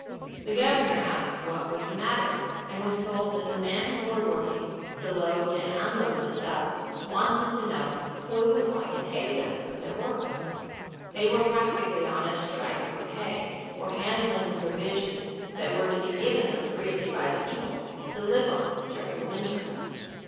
The Governor asked what was the matter, and was told that the men who were work ing to load and unload the stuff wanted to know who was going to pay them for their work! They were practically on a strike for pay for handling the provisions that were to be given them freely by the people, to live on during the winter.